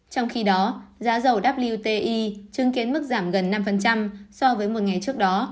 trong khi đó giá dầu wti chứng kiến mức giảm gần năm so với một ngày trước đó